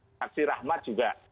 taksi rahmat juga